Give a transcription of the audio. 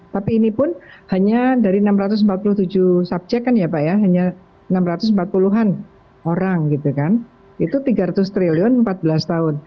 tapi ini pun hanya dari enam ratus empat puluh tujuh subjek kan ya pak ya hanya enam ratus empat puluh an orang gitu kan itu tiga ratus triliun empat belas tahun